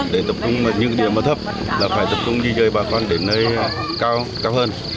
để tập trung những điểm thấp là phải tập trung di rời bà con đến nơi cao hơn